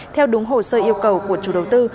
theo đúng hồ sơ yêu cầu của chủ đầu tư